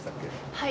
はい。